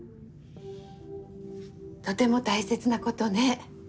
とても大切なことね。